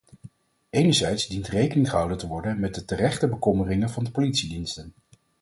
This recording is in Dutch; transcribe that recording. Enerzijds dient rekening gehouden te worden met de terechte bekommeringen van de politiediensten.